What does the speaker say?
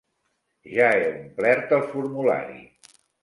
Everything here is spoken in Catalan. Ja he omplert el formulari.